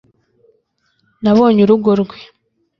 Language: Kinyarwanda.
nabonye urugo rwe